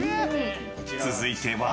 続いては。